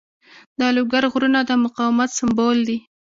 د لوګر غرونه د مقاومت سمبول دي.